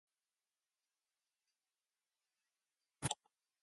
Upon successful completion of the examination, the candidate is granted certification.